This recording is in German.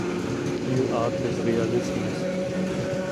Spielart des Realismus.